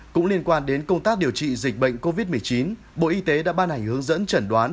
cũng liên quan đến công tác điều trị dịch bệnh covid một mươi chín bộ y tế đã ban hành hướng dẫn chẩn đoán